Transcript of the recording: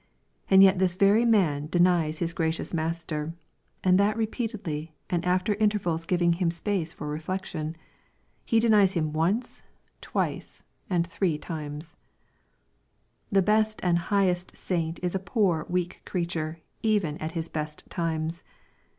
And yet this very man de nies his gracious Master, and that repeatedly and after intervals giving him space for reflection. He denies Him once, twice, and three times 1 The best and highest saint is a poor weak creature, even at his best times.